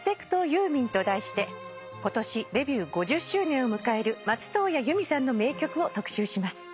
ユーミンと題して今年デビュー５０周年を迎える松任谷由実さんの名曲を特集します。